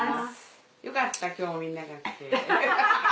よかった今日もみんなが来て。